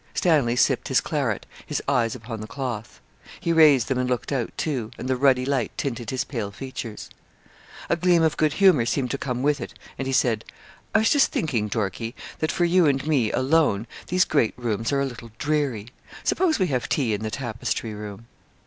Stanley sipped his claret, his eyes upon the cloth. He raised them and looked out, too; and the ruddy light tinted his pale features. A gleam of good humour seemed to come with it, and he said, 'I was just thinking, Dorkie, that for you and me, alone, these great rooms are a little dreary. Suppose we have tea in the tapestry room.'